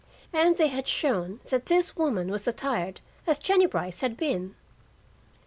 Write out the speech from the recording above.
And they had shown that this woman was attired as Jennie Brice had been.